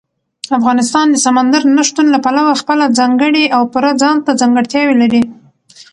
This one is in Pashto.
افغانستان د سمندر نه شتون له پلوه خپله ځانګړې او پوره ځانته ځانګړتیاوې لري.